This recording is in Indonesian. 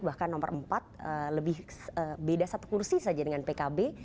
bahkan nomor empat lebih beda satu kursi saja dengan pkb